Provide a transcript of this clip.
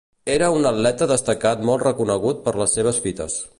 Era un atleta destacat molt reconegut per les seves fites.